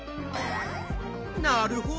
なるほど！